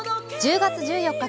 １０月１４日